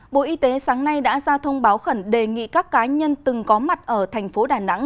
bộ y tế sáng nay đã ra thông báo khẩn đề nghị các cá nhân từng có mặt ở thành phố đà nẵng